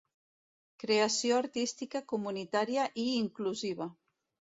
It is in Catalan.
Creació artística comunitària i inclusiva.